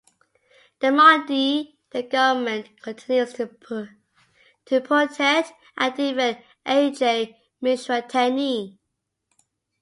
The Modi government continues to protect and defend Ajay Mishra Teni.